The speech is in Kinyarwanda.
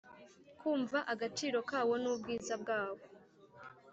kumva agaciro kawo n ubwiza bwawo